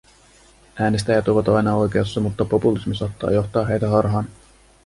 Äänestäjät ovat aina oikeassa, mutta populismi saattaa johtaa heitä harhaan.